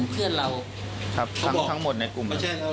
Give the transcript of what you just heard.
ครับทั้งหมดในกลุ่ม